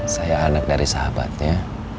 saya anak dari sahabatnya